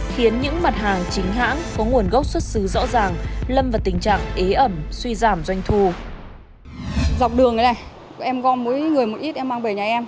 khiến những mặt hàng chính hãng có nguồn gốc xuất xứ rõ ràng lâm vào tình trạng ế ẩm suy giảm doanh thu